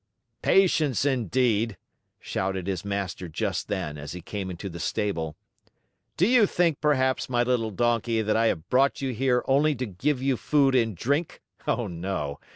"Patience indeed!" shouted his master just then, as he came into the stable. "Do you think, perhaps, my little Donkey, that I have brought you here only to give you food and drink? Oh, no!